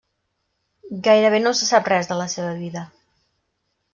Gairebé no se sap res de la seva vida.